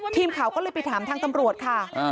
ทีมข่าวก็เลยไปถามทางตำรวจค่ะ